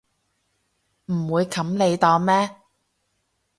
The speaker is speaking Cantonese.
唔會冚你檔咩